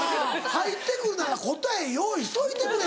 入ってくるなら答え用意しといてくれ！